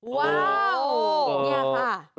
ว้าวนี่ค่ะ